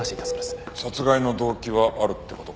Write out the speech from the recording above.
殺害の動機はあるって事か？